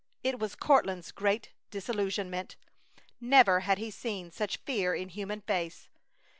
It was Courtland's great disillusionment. Never had he seen such fear in human face.